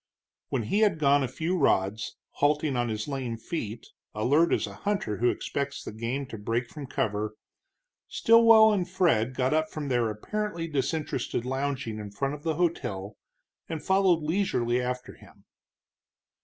When he had gone a few rods, halting on his lame feet, alert as a hunter who expects the game to break from cover, Stilwell and Fred got up from their apparently disinterested lounging in front of the hotel and followed leisurely after him.